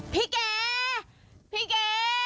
พี่แกพี่เก๋